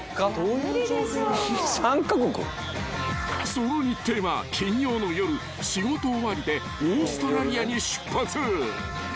［その日程は金曜の夜仕事終わりでオーストラリアに出発］